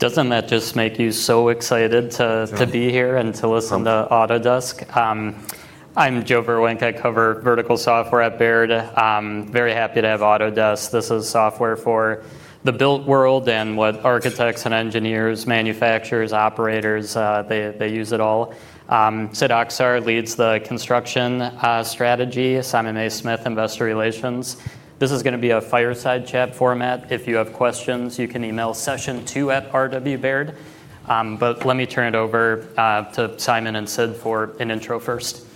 Doesn't that just make you so excited to be here and to listen to Autodesk. I'm Joe Vruwink, I cover vertical software at Baird. Very happy to have Autodesk. This is software for the built world and what architects and engineers, manufacturers, operators, they use it all. Sidharth Haksar leads the Construction Strategy. Simon Mays-Smith, Investor Relations. This is going to be a fireside chat format. If you have questions, you can email sessiontwo@rwbaird.com. Let me turn it over to Simon and Sid for an intro first.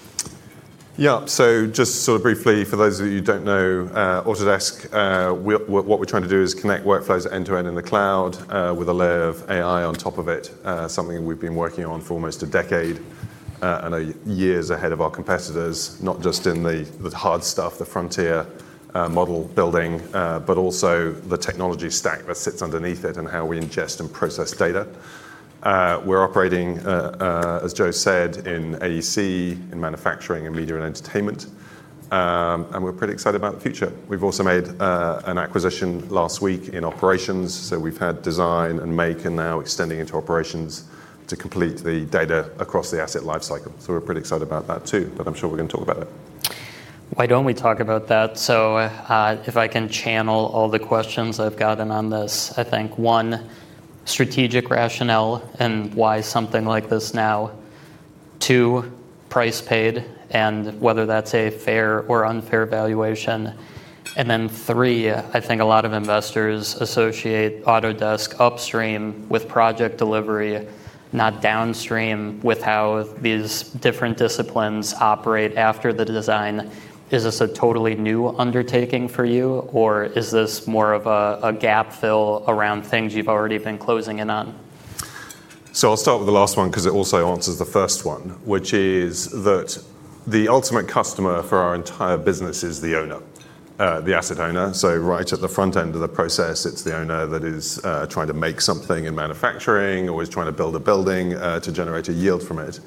Yeah. Just sort of briefly, for those of you who don't know Autodesk, what we're trying to do is connect workflows end-to-end in the cloud, with a layer of AI on top of it. Something we've been working on for almost a decade, and are years ahead of our competitors, not just in the hard stuff, the frontier, model building, but also the technology stack that sits underneath it and how we ingest and process data. We're operating, as Joe said, in AEC, in manufacturing, and media and entertainment. We're pretty excited about the future. We've also made an acquisition last week in operations, so we've had design and make and now extending into operations to complete the data across the asset life cycle. We're pretty excited about that too, but I'm sure we're going to talk about it. Why don't we talk about that? If I can channel all the questions I've gotten on this, I think, one, strategic rationale and why something like this now. Two, price paid and whether that's a fair or unfair valuation. Then three, I think a lot of investors associate Autodesk upstream with project delivery, not downstream with how these different disciplines operate after the design. Is this a totally new undertaking for you or is this more of a gap fill around things you've already been closing in on? I'll start with the last one because it also answers the first one, which is that the ultimate customer for our entire business is the owner, the asset owner. Right at the front end of the process, it's the owner that is trying to make something in manufacturing or is trying to build a building to generate a yield from it.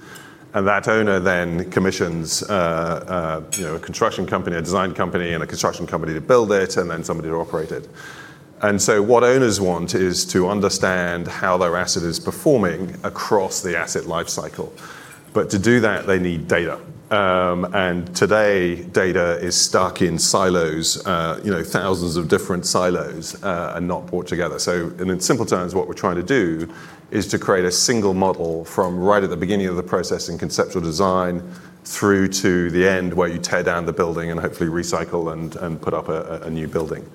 That owner then commissions a construction company, a design company, and a construction company to build it, and then somebody to operate it. What owners want is to understand how their asset is performing across the asset life cycle. To do that, they need data. Today, data is stuck in silos, 1,000s of different silos, and not brought together. In simple terms, what we're trying to do is to create a single model from right at the beginning of the process in conceptual design through to the end, where you tear down the building and hopefully recycle and put up a new building.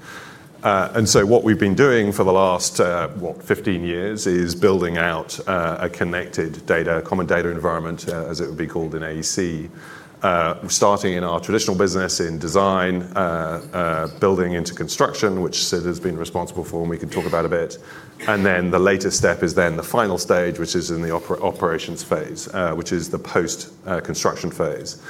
What we've been doing for the last, what, 15 years is building out a connected data, a common data environment, as it would be called in AEC, starting in our traditional business in design, building into construction, which Sid has been responsible for, and we can talk about a bit. The latest step is then the final stage, which is in the operations phase, which is the post-construction phase.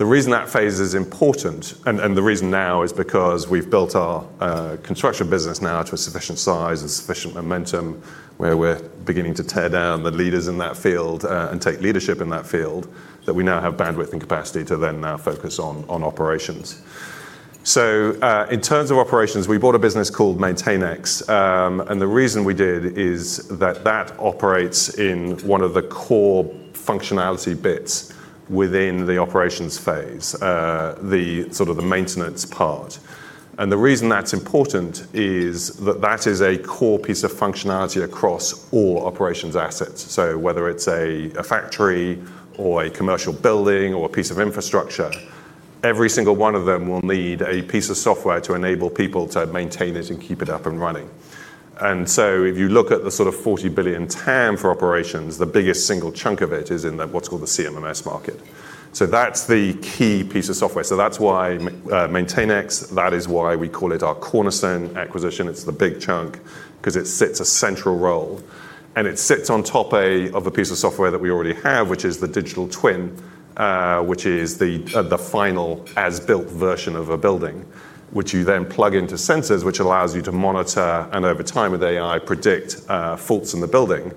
The reason that phase is important, and the reason now, is because we've built our construction business now to a sufficient size and sufficient momentum where we're beginning to tear down the leaders in that field, and take leadership in that field, that we now have bandwidth and capacity to then now focus on operations. In terms of operations, we bought a business called MaintainX. The reason we did is that that operates in one of the core functionality bits within the operations phase, the sort of the maintenance part. The reason that's important is that that is a core piece of functionality across all operations assets. Whether it's a factory or a commercial building or a piece of infrastructure, every single one of them will need a piece of software to enable people to maintain it and keep it up and running. If you look at the sort of $40 billion TAM for operations, the biggest single chunk of it is in what's called the CMMS market. That's the key piece of software. That's why MaintainX, that is why we call it our cornerstone acquisition. It's the big chunk because it sits a central role. It sits on top of a piece of software that we already have, which is the digital twin, which is the final as-built version of a building, which you then plug into sensors, which allows you to monitor and over time with AI, predict faults in the building.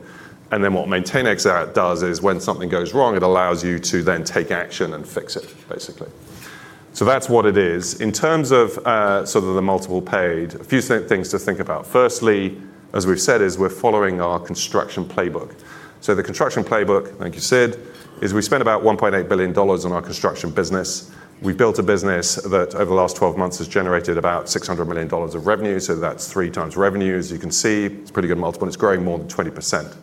What MaintainX does is when something goes wrong, it allows you to then take action and fix it, basically. That's what it is. In terms of sort of the multiple paid, a few things to think about. Firstly, as we've said, is we're following our construction playbook. The construction playbook, thank you, Sid, is we spent about $1.8 billion on our construction business. We built a business that over the last 12 months has generated about $600 million of revenue. That's 3x revenue. As you can see, it's a pretty good multiple, and it's growing more than 20%.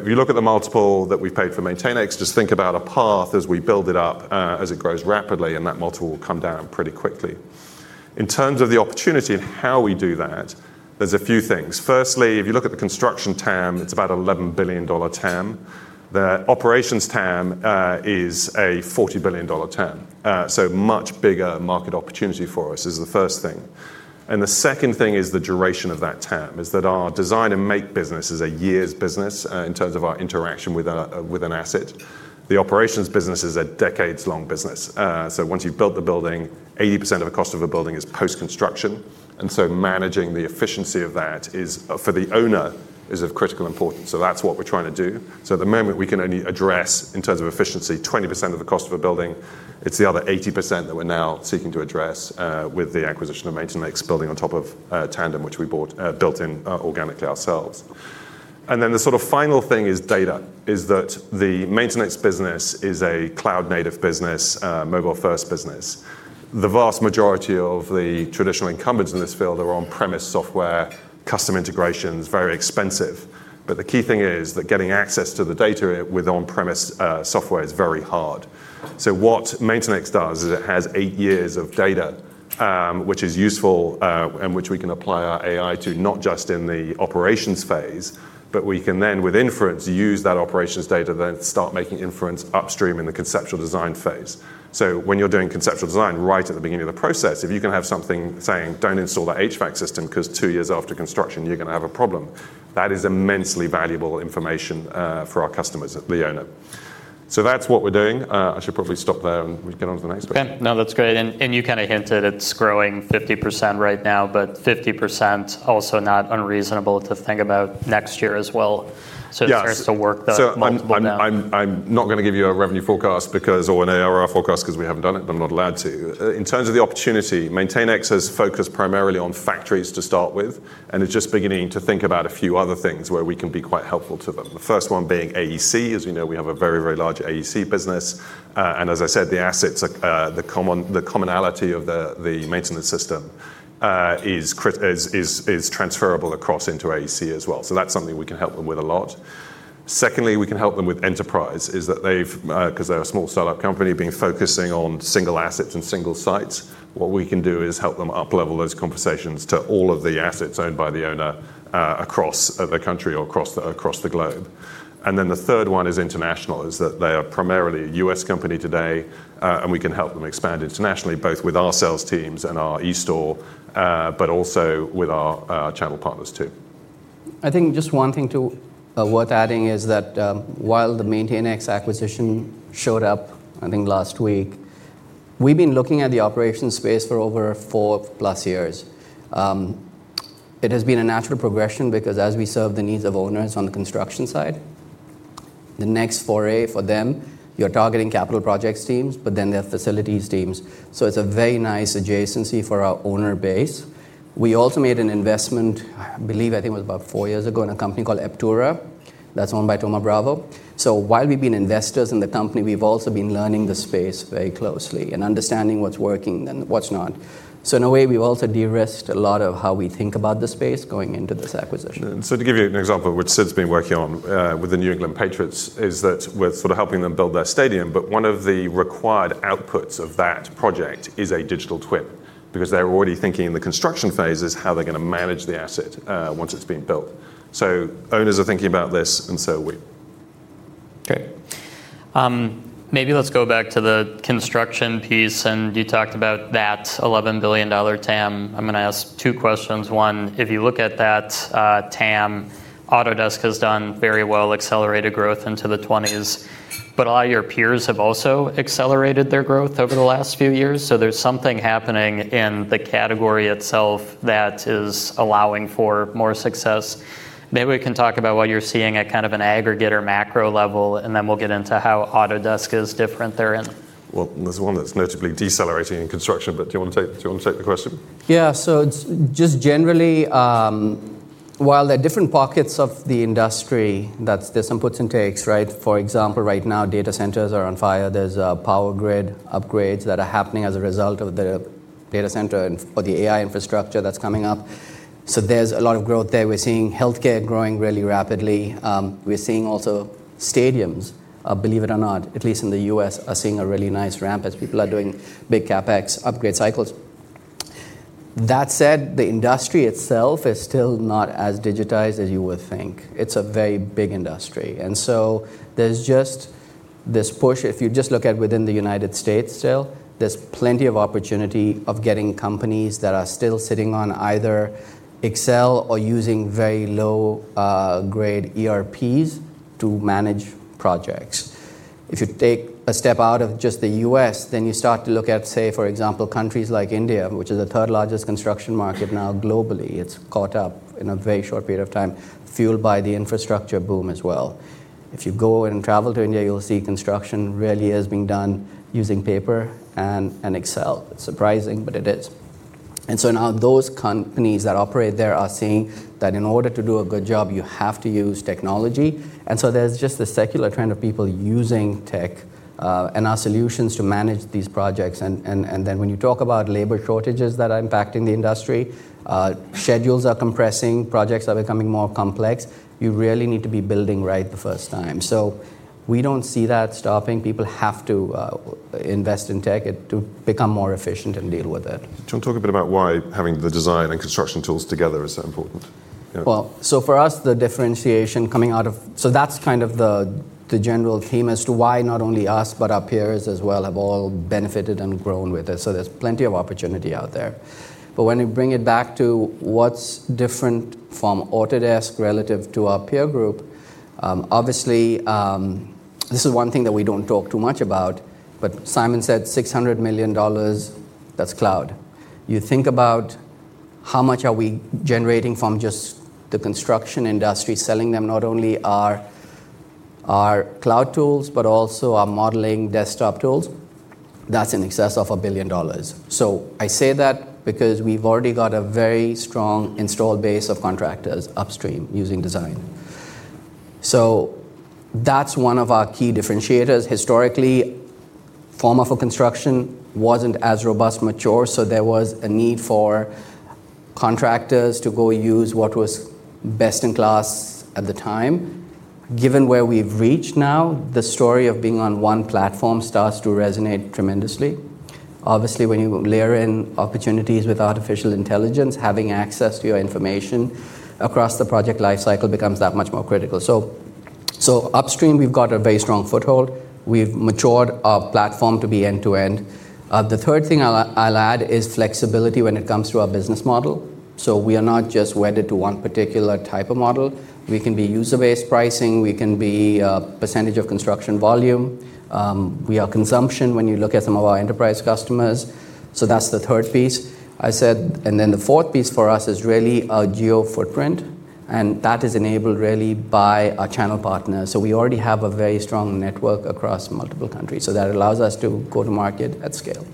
If you look at the multiple that we've paid for MaintainX, just think about a path as we build it up, as it grows rapidly, and that multiple will come down pretty quickly. In terms of the opportunity and how we do that, there's a few things. Firstly, if you look at the construction TAM, it's about $11 billion TAM. The operations TAM is a $40 billion TAM. Much bigger market opportunity for us is the first thing. The second thing is the duration of that TAM, is that our design and make business is a years business, in terms of our interaction with an asset. The operations business is a decades long business. Once you've built the building, 80% of the cost of a building is post-construction. Managing the efficiency of that is, for the owner, is of critical importance. That's what we're trying to do. At the moment, we can only address, in terms of efficiency, 20% of the cost of a building. It's the other 80% that we're now seeking to address, with the acquisition of MaintainX building on top of Tandem, which we bought, built in organically ourselves. The sort of final thing is data. Is that the MaintainX business is a cloud-native business, mobile-first business. The vast majority of the traditional incumbents in this field are on-premise software, custom integrations, very expensive. The key thing is that getting access to the data with on-premise software is very hard. What MaintainX does is it has eight years of data, which is useful, and which we can apply our AI to, not just in the operations phase, but we can then, with inference, use that operations data, then start making inference upstream in the conceptual design phase. When you're doing conceptual design, right at the beginning of the process, if you can have something saying, "Don't install that HVAC system, because two years after construction, you're going to have a problem," that is immensely valuable information for our customers, the owner. That's what we're doing. I should probably stop there, and we can get on to the next bit. Okay. No, that's great. You kind of hinted it's growing 50% right now. But 50% also not unreasonable to think about next year as well. Yeah. It starts to work the multiple now. I'm not going to give you a revenue forecast because, or an ARR forecast, because we haven't done it, but I'm not allowed to. In terms of the opportunity, MaintainX has focused primarily on factories to start with, and is just beginning to think about a few other things where we can be quite helpful to them. The first one being AEC. As we know, we have a very, very large AEC business. As I said, the assets, the commonality of the maintenance system is transferable across into AEC as well. That's something we can help them with a lot. Secondly, we can help them with enterprise, is that they've, because they're a small startup company, been focusing on single assets and single sites. What we can do is help them up level those conversations to all of the assets owned by the owner, across the country or across the globe. The third one is international, is that they are primarily a U.S. company today. We can help them expand internationally, both with our sales teams and our eStore, but also with our channel partners, too. I think just one thing too worth adding is that while the MaintainX acquisition showed up, I think last week, we've been looking at the operations space for over four-plus years. It has been a natural progression because as we serve the needs of owners on the construction side, the next foray for them, you're targeting capital projects teams, but then their facilities teams. It's a very nice adjacency for our owner base. We also made an investment, I believe, I think it was about four years ago, in a company called Eptura that's owned by Thoma Bravo. While we've been investors in the company, we've also been learning the space very closely and understanding what's working and what's not. In a way, we've also de-risked a lot of how we think about the space going into this acquisition. To give you an example of what Sid's been working on with the New England Patriots, is that with sort of helping them build their stadium, but one of the required outputs of that project is a digital twin because they're already thinking in the construction phases how they're going to manage the asset once it's been built. Owners are thinking about this, and so are we. Okay. Maybe let's go back to the construction piece, and you talked about that $11 billion TAM. I'm going to ask two questions. One, if you look at that TAM, Autodesk has done very well, accelerated growth into the 20s, but a lot of your peers have also accelerated their growth over the last few years. There's something happening in the category itself that is allowing for more success. Maybe we can talk about what you're seeing at kind of an aggregate or macro level, and then we'll get into how Autodesk is different therein. Well, there's one that's notably decelerating in construction. Do you want to take the question? Yeah. Just generally, while there are different pockets of the industry, there's some puts and takes, right? For example, right now, data centers are on fire. There's power grid upgrades that are happening as a result of the data center and for the AI infrastructure that's coming up. There's a lot of growth there. We're seeing healthcare growing really rapidly. We're seeing also stadiums, believe it or not, at least in the U.S., are seeing a really nice ramp as people are doing big CapEx upgrade cycles. That said, the industry itself is still not as digitized as you would think. It's a very big industry. There's just this push, if you just look at within the United States still, there's plenty of opportunity of getting companies that are still sitting on either Excel or using very low-grade ERPs to manage projects. If you take a step out of just the U.S., then you start to look at, say, for example, countries like India, which is the third-largest construction market now globally. It's caught up in a very short period of time, fueled by the infrastructure boom as well. If you go and travel to India, you'll see construction really is being done using paper and Excel. It's surprising, but it is. Now those companies that operate there are seeing that in order to do a good job, you have to use technology. There's just the secular trend of people using tech, and our solutions to manage these projects. When you talk about labor shortages that are impacting the industry, schedules are compressing, projects are becoming more complex. You really need to be building right the first time. We don't see that stopping. People have to invest in tech to become more efficient and deal with it. Do you want to talk a bit about why having the design and construction tools together is so important? For us, the differentiation. That's kind of the general theme as to why not only us, but our peers as well have all benefited and grown with it. There's plenty of opportunity out there. When you bring it back to what's different from Autodesk relative to our peer group, obviously, this is one thing that we don't talk too much about, but Simon said $600 million. That's cloud. You think about how much are we generating from just the construction industry, selling them not only our cloud tools, but also our modeling desktop tools. That's in excess of $1 billion. I say that because we've already got a very strong installed base of contractors upstream using design. That's one of our key differentiators. Historically, Forma for construction wasn't as robust mature, there was a need for contractors to go use what was best in class at the time. Given where we've reached now, the story of being on one platform starts to resonate tremendously. Obviously, when you layer in opportunities with artificial intelligence, having access to your information across the project life cycle becomes that much more critical. Upstream, we've got a very strong foothold. We've matured our platform to be end-to-end. The third thing I'll add is flexibility when it comes to our business model. We are not just wedded to one particular type of model. We can be user-based pricing, we can be a percentage of construction volume, we are consumption when you look at some of our enterprise customers. That's the third piece. The fourth piece for us is really our geo footprint, and that is enabled really by our channel partners. We already have a very strong network across multiple countries. That allows us to go to market at scale.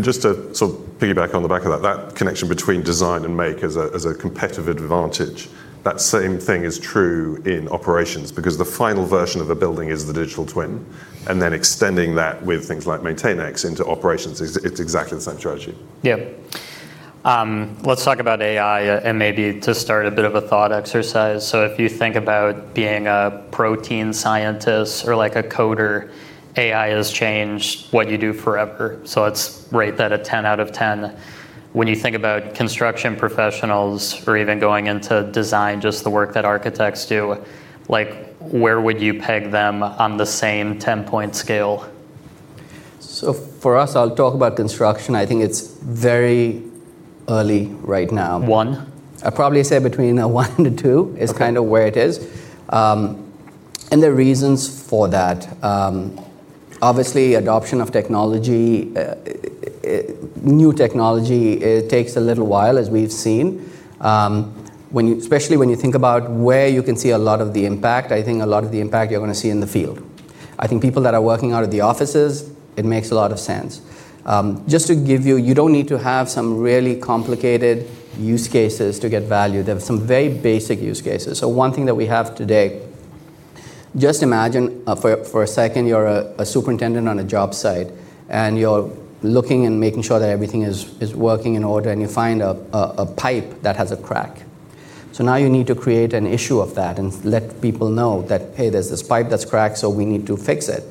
Just to sort of piggyback on the back of that connection between design and make as a competitive advantage, that same thing is true in operations because the final version of a building is the digital twin, and then extending that with things like MaintainX into operations is, it's exactly the same strategy. Yeah. Let's talk about AI and maybe to start a bit of a thought exercise. If you think about being a protein scientist or like a coder, AI has changed what you do forever. Let's rate that a 10 out of 10. When you think about construction professionals or even going into design, just the work that architects do, where would you peg them on the same 10-point scale? For us, I'll talk about construction. I think it's very early right now. One? I'd probably say between a one and two is kind of where it is. The reasons for that, obviously, adoption of new technology, it takes a little while, as we've seen. Especially when you think about where you can see a lot of the impact, I think a lot of the impact you're going to see in the field. I think people that are working out of the offices, it makes a lot of sense. You don't need to have some really complicated use cases to get value. There are some very basic use cases. One thing that we have today, just imagine for a second you're a superintendent on a job site and you're looking and making sure that everything is working in order and you find a pipe that has a crack. Now you need to create an issue of that and let people know that, hey, there's this pipe that's cracked, so we need to fix it.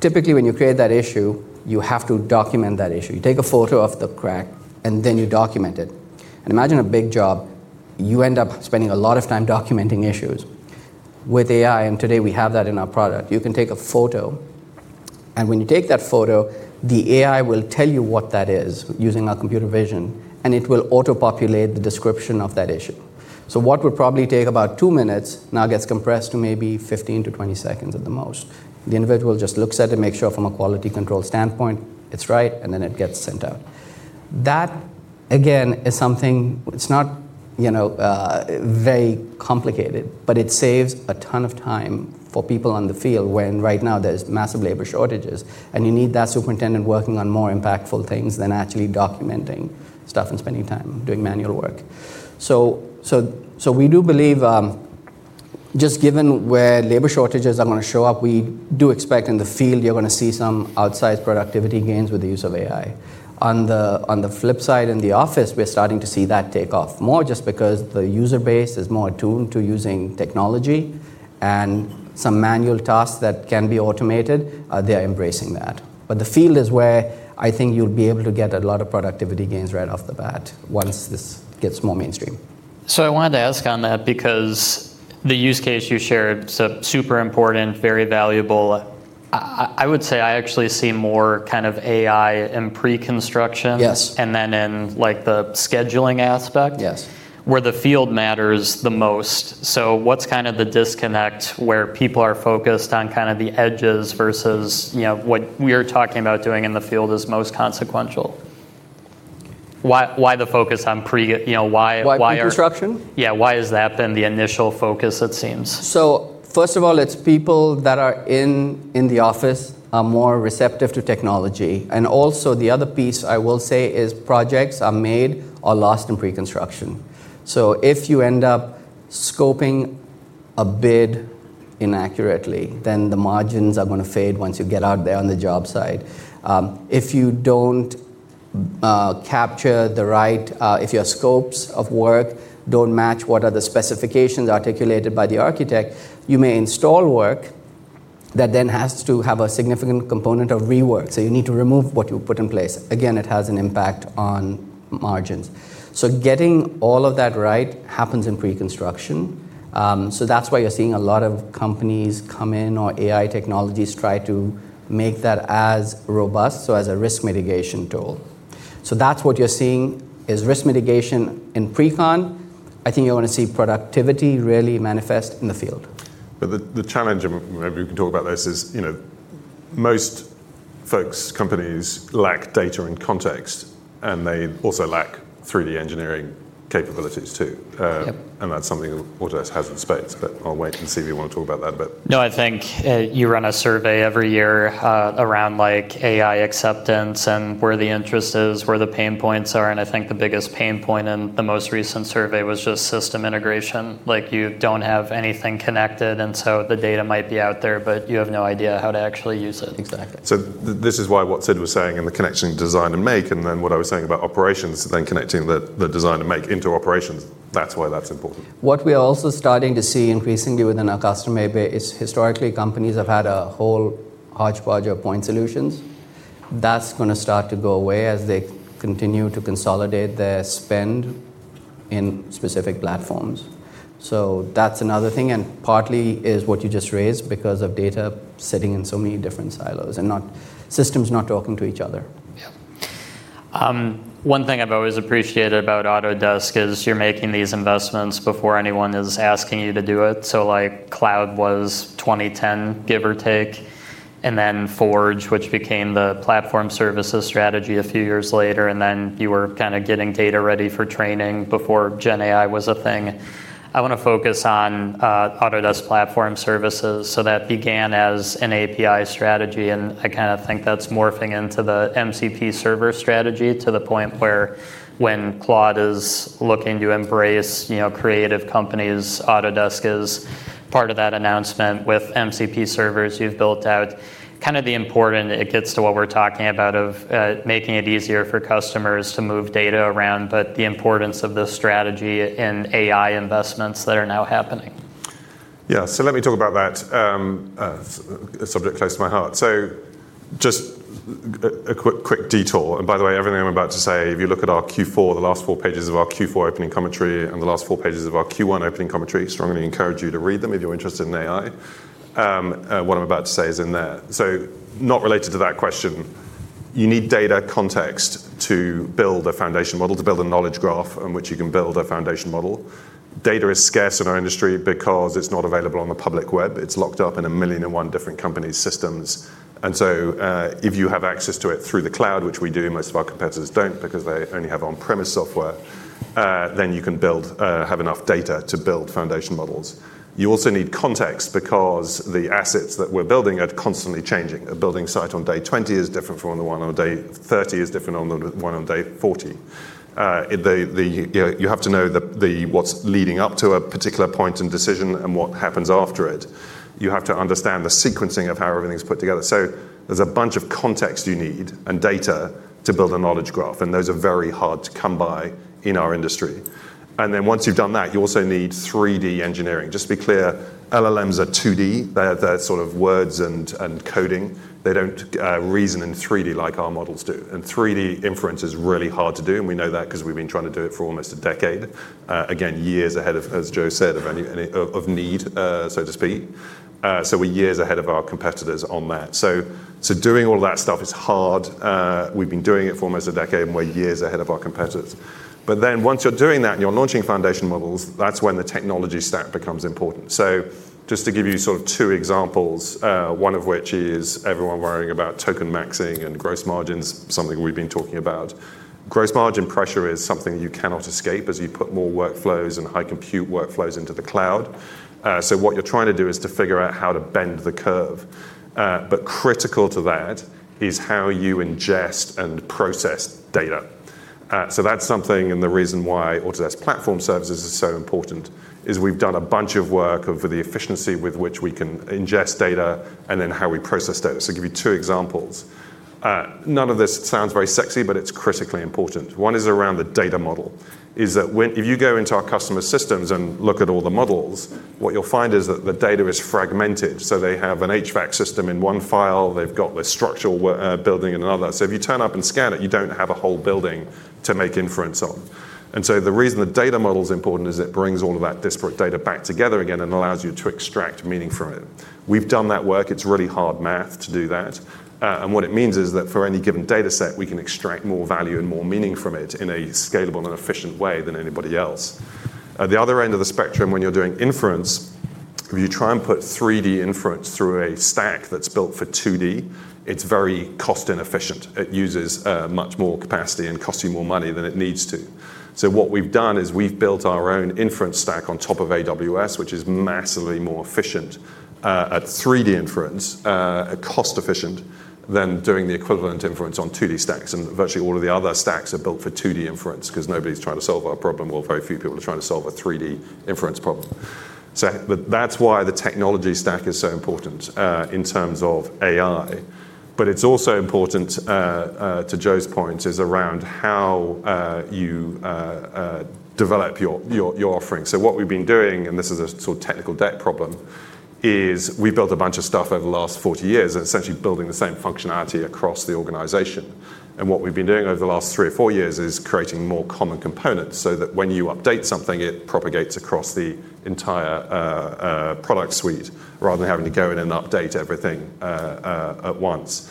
Typically, when you create that issue, you have to document that issue. You take a photo of the crack, and then you document it. Imagine a big job, you end up spending a lot of time documenting issues. With AI, and today we have that in our product, you can take a photo and when you take that photo, the AI will tell you what that is using our computer vision, and it will auto-populate the description of that issue. What would probably take about two minutes now gets compressed to maybe 15-20 seconds at the most. The individual just looks at it, makes sure from a quality control standpoint it's right, and then it gets sent out. That, again, is something that's not very complicated, but it saves a ton of time for people on the field when right now there's massive labor shortages, and you need that superintendent working on more impactful things than actually documenting stuff and spending time doing manual work. We do believe, just given where labor shortages are going to show up, we do expect in the field you're going to see some outsized productivity gains with the use of AI. On the flip side, in the office, we're starting to see that take off more just because the user base is more attuned to using technology and some manual tasks that can be automated, they are embracing that. The field is where I think you'll be able to get a lot of productivity gains right off the bat once this gets more mainstream. I wanted to ask on that because the use case you shared, super important, very valuable. I would say I actually see more kind of AI in pre-construction. Yes. In the scheduling aspect. Yes. where the field matters the most. What's kind of the disconnect where people are focused on kind of the edges versus what we are talking about doing in the field is most consequential? Why the focus on pre--? Why pre-construction? Yeah. Why has that been the initial focus, it seems? First of all, it's people that are in the office are more receptive to technology. The other piece I will say is projects are made or lost in pre-construction. If you end up scoping a bid inaccurately, then the margins are going to fade once you get out there on the job site. If you don't capture If your scopes of work don't match what are the specifications articulated by the architect, you may install work that then has to have a significant component of rework. You need to remove what you put in place. Again, it has an impact on margins. Getting all of that right happens in pre-construction. That's why you're seeing a lot of companies come in, or AI technologies try to make that as robust, so as a risk mitigation tool. That's what you're seeing is risk mitigation in pre-con. I think you're going to see productivity really manifest in the field. The challenge, and maybe we can talk about this, is you know, Most folks, companies lack data and context, and they also lack 3D engineering capabilities, too. Yep. That's something Autodesk has in spades, but I'll wait and see if you want to talk about that a bit. No, I think you run a survey every year around AI acceptance and where the interest is, where the pain points are, and I think the biggest pain point in the most recent survey was just system integration. You don't have anything connected, and so the data might be out there, but you have no idea how to actually use it. Exactly. This is why what Sid was saying in the connection design and make, and then what I was saying about operations, then connecting the design and make into operations. That is why that is important. What we are also starting to see increasingly within our customer base is historically, companies have had a whole hodgepodge of point solutions. That's going to start to go away as they continue to consolidate their spend in specific platforms. That's another thing, and partly is what you just raised because of data sitting in so many different silos and systems not talking to each other. Yeah. One thing I've always appreciated about Autodesk is you're making these investments before anyone is asking you to do it. Like, cloud was 2010, give or take, and then Forge, which became the Autodesk Platform Services strategy a few years later, and then you were kind of getting data ready for training before GenAI was a thing. I want to focus on Autodesk Platform Services. That began as an API strategy, and I kind of think that's morphing into the MCP server strategy to the point where when Claude is looking to embrace creative companies, Autodesk is part of that announcement. With MCP servers, you've built out kind of the important, it gets to what we're talking about of making it easier for customers to move data around, but the importance of the strategy in AI investments that are now happening. Yeah. Let me talk about that, a subject close to my heart. Just a quick detour. By the way, everything I'm about to say, if you look at our Q4, the last four pages of our Q4 opening commentary and the last four pages of our Q1 opening commentary, strongly encourage you to read them if you're interested in AI. What I'm about to say is in there. Not related to that question. You need data context to build a foundation model, to build a knowledge graph on which you can build a foundation model. Data is scarce in our industry because it's not available on the public web. It's locked up in a million and one different company's systems. If you have access to it through the cloud, which we do, most of our competitors don't because they only have on-premise software, then you can have enough data to build foundation models. You also need context because the assets that we're building are constantly changing. A building site on day 20 is different from the one on day 30 is different on the one on day 40. You have to know what's leading up to a particular point and decision and what happens after it. You have to understand the sequencing of how everything's put together. There's a bunch of context you need and data to build a knowledge graph, and those are very hard to come by in our industry. Once you've done that, you also need 3D engineering. Just to be clear, LLMs are 2D. They're sort of words and coding. They don't reason in 3D like our models do. 3D inference is really hard to do, and we know that because we've been trying to do it for almost a decade. Again, years ahead of, as Joe said, of need, so to speak. We're years ahead of our competitors on that. Doing all that stuff is hard. We've been doing it for almost a decade, and we're years ahead of our competitors. Once you're doing that and you're launching foundation models, that's when the technology stack becomes important. Just to give you sort of two examples, one of which is everyone worrying about token maxing and gross margins, something we've been talking about. Gross margin pressure is something you cannot escape as you put more workflows and high compute workflows into the cloud. What you're trying to do is to figure out how to bend the curve. Critical to that is how you ingest and process data. That's something and the reason why Autodesk Platform Services is so important is we've done a bunch of work over the efficiency with which we can ingest data and then how we process data. Give you two examples. None of this sounds very sexy, but it's critically important. One is around the data model, is that if you go into our customer systems and look at all the models, what you'll find is that the data is fragmented. They have an HVAC system in one file. They've got the structural building in another. If you turn up and scan it, you don't have a whole building to make inference on. The reason the data model is important is it brings all of that disparate data back together again and allows you to extract meaning from it. We've done that work. It's really hard math to do that. What it means is that for any given data set, we can extract more value and more meaning from it in a scalable and efficient way than anybody else. At the other end of the spectrum, when you're doing inference, if you try and put 3D inference through a stack that's built for 2D, it's very cost inefficient. It uses much more capacity and costs you more money than it needs to. What we've done is we've built our own inference stack on top of AWS, which is massively more efficient at 3D inference, cost efficient than doing the equivalent inference on 2D stacks. Virtually all of the other stacks are built for 2D inference because nobody's trying to solve our problem, or very few people are trying to solve a 3D inference problem. That's why the technology stack is so important in terms of AI. It's also important to Joe's point is around how you develop your offering. What we've been doing, and this is a sort of technical debt problem, is we built a bunch of stuff over the last 40 years, and essentially building the same functionality across the organization. What we've been doing over the last three or four years is creating more common components so that when you update something, it propagates across the entire product suite rather than having to go in and update everything at once.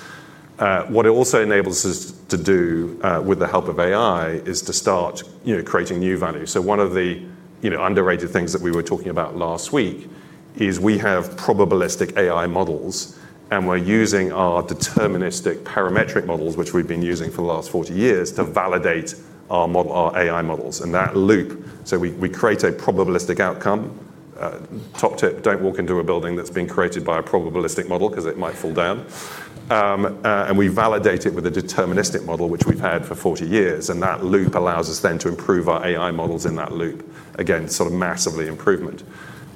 What it also enables us to do, with the help of AI, is to start creating new value. One of the underrated things that we were talking about last week is we have probabilistic AI models, and we're using our deterministic parametric models, which we've been using for the last 40 years, to validate our AI models. That loop, so we create a probabilistic outcome. Top tip, don't walk into a building that's been created by a probabilistic model because it might fall down. We validate it with a deterministic model, which we've had for 40 years, and that loop allows us then to improve our AI models in that loop. Again, sort of massively improvement.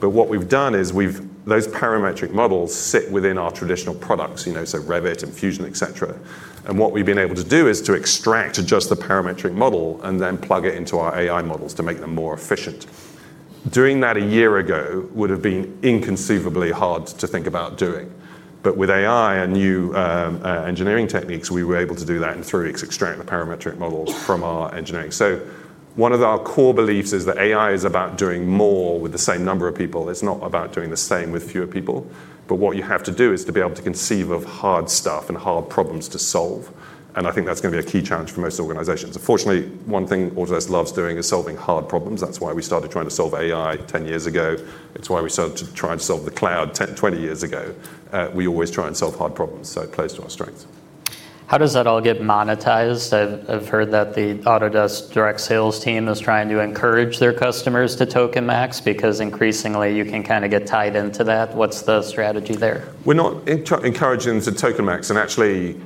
What we've done is those parametric models sit within our traditional products, so Revit and Fusion, et cetera. What we've been able to do is to extract just the parametric model and then plug it into our AI models to make them more efficient. Doing that a year ago would've been inconceivably hard to think about doing, but with AI and new engineering techniques, we were able to do that in three weeks, extract the parametric models from our engineering. One of our core beliefs is that AI is about doing more with the same number of people. It's not about doing the same with fewer people. What you have to do is to be able to conceive of hard stuff and hard problems to solve. I think that's going to be a key challenge for most organizations. Fortunately, one thing Autodesk loves doing is solving hard problems. That's why we started trying to solve AI 10 years ago. It's why we started to try and solve the cloud 20 years ago. We always try and solve hard problems so it plays to our strengths. How does that all get monetized? I've heard that the Autodesk direct sales team is trying to encourage their customers to Flex tokens because increasingly you can kind of get tied into that. What's the strategy there? We're not encouraging to Flex tokens and actually,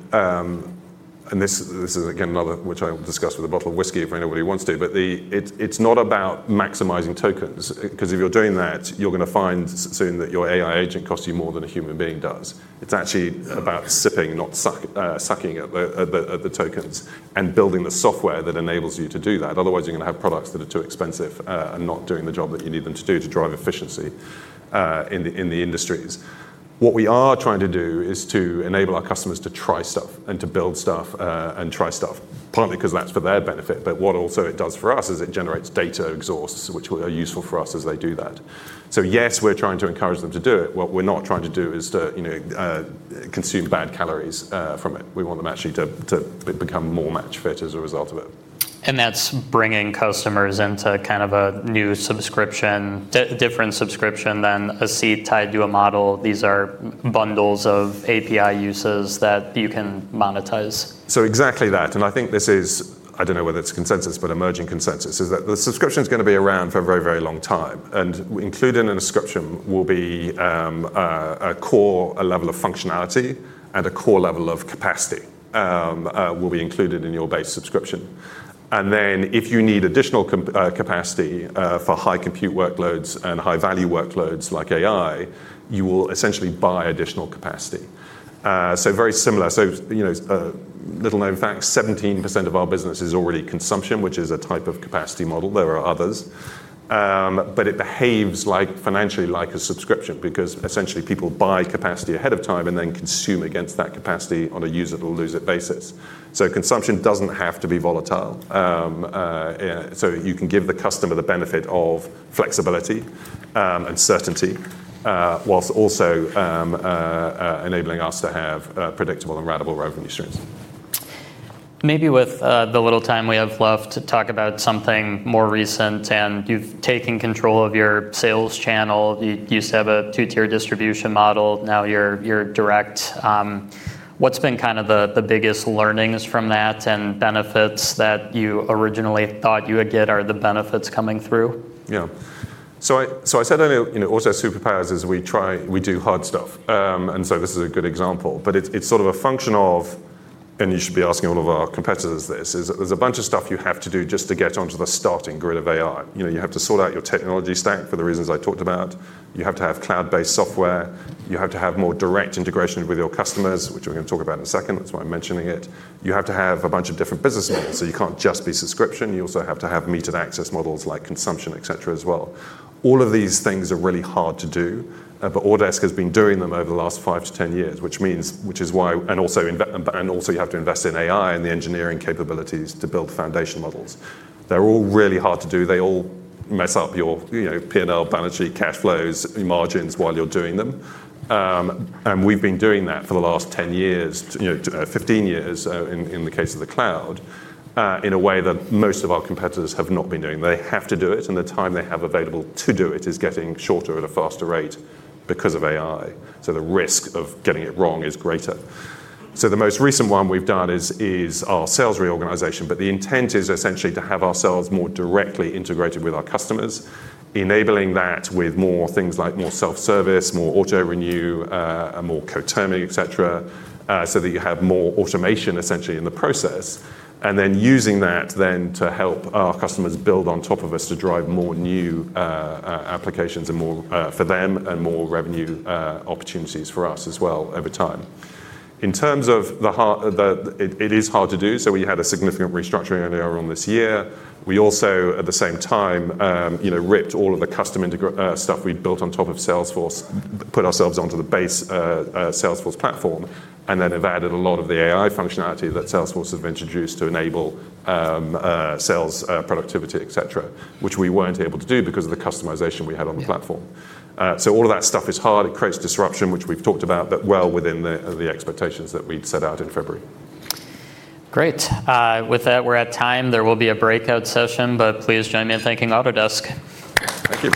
and this is again, another which I will discuss with a bottle of whiskey if anybody wants to, but it's not about maximizing tokens. If you're doing that, you're going to find soon that your AI agent costs you more than a human being does. It's actually about sipping, not sucking at the tokens and building the software that enables you to do that. Otherwise, you're going to have products that are too expensive, and not doing the job that you need them to do to drive efficiency in the industries. What we are trying to do is to enable our customers to try stuff and to build stuff, and try stuff. Partly because that's for their benefit, but what also it does for us is it generates data exhausts, which are useful for us as they do that. Yes, we're trying to encourage them to do it. What we're not trying to do is to consume bad calories from it. We want them actually to become more match fit as a result of it. That's bringing customers into kind of a new subscription, different subscription than a seat tied to a model. These are bundles of API uses that you can monetize. Exactly that, I think this is, I don't know whether it's consensus, but emerging consensus is that the subscription's going to be around for a very, very long time. Included in a subscription will be a core, a level of functionality and a core level of capacity, will be included in your base subscription. If you need additional capacity for high compute workloads and high-value workloads like AI, you will essentially buy additional capacity. Very similar. A little known fact, 17% of our business is already consumption, which is a type of capacity model. There are others. It behaves financially like a subscription because essentially people buy capacity ahead of time and then consume against that capacity on a use it or lose it basis. Consumption doesn't have to be volatile. You can give the customer the benefit of flexibility, and certainty, while also enabling us to have predictable and ratable revenue streams. Maybe with the little time we have left to talk about something more recent, and you've taken control of your sales channel. You used to have a two-tier distribution model, now you're direct. What's been kind of the biggest learnings from that and benefits that you originally thought you would get? Are the benefits coming through? Yeah. I said earlier, Autodesk superpowers is we do hard stuff. This is a good example, but it's sort of a function of, and you should be asking all of our competitors this, is there's a bunch of stuff you have to do just to get onto the starting grid of AI. You have to sort out your technology stack for the reasons I talked about. You have to have cloud-based software. You have to have more direct integration with your customers, which we're going to talk about in a second. That's why I'm mentioning it. You have to have a bunch of different business models, so you can't just be subscription. You also have to have metered access models like consumption, et cetera as well. All of these things are really hard to do. Autodesk has been doing them over the last five to 10 years, which is why, and also you have to invest in AI and the engineering capabilities to build foundation models. They're all really hard to do. They all mess up your P&L, balance sheet, cash flows, margins while you're doing them. We've been doing that for the last 10 years, 15 years, in the case of the cloud, in a way that most of our competitors have not been doing. They have to do it, and the time they have available to do it is getting shorter at a faster rate because of AI. The risk of getting it wrong is greater. The most recent one we've done is our sales reorganization, but the intent is essentially to have ourselves more directly integrated with our customers, enabling that with more things like more self-service, more auto-renew, and more co-terming, et cetera, so that you have more automation essentially in the process. Then using that then to help our customers build on top of us to drive more new applications for them and more revenue opportunities for us as well over time. In terms of the hard, it is hard to do, so we had a significant restructuring earlier on this year. We also, at the same time, ripped all of the custom integrated stuff we'd built on top of Salesforce, put ourselves onto the base Salesforce platform, and then have added a lot of the AI functionality that Salesforce has introduced to enable sales, productivity, et cetera, which we weren't able to do because of the customization we had on the platform. All of that stuff is hard. It creates disruption, which we've talked about, but well within the expectations that we'd set out in February. Great. With that, we're at time. There will be a breakout session, but please join me in thanking Autodesk. Thank you.